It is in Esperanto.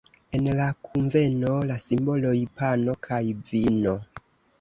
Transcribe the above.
En la kunveno la simboloj: pano kaj vino.